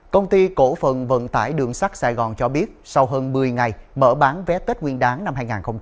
công ty cổ phần vận tải đường sắt sài gòn cho biết sau hơn một mươi ngày mở bán vé tết nguyên đáng năm hai nghìn hai mươi bốn